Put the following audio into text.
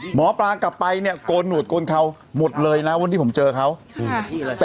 หมอปลากลับไปเนี่ยโกนหนวดโกนเขาหมดเลยน่ะวันที่ผมเจอเขาค่ะ